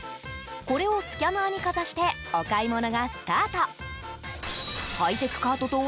これをスキャナーにかざしてお買い物がスタート。